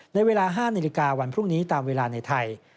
ในเวลา๕นาฬิกาวันพรุ่งนี้ตามเวลาในไทย